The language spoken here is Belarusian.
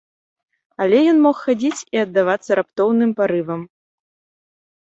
Але ён мог хадзіць і аддавацца раптоўным парывам.